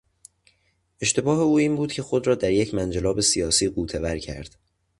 اشتباه او این بود که خود را در یک منجلاب سیاسی غوطه ور کرد.